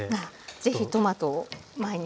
是非トマトを毎日。